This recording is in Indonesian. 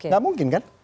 gak mungkin kan